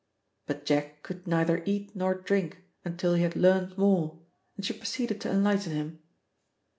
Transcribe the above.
But Jack could neither eat nor drink until he had learnt more, and she proceeded to enlighten him.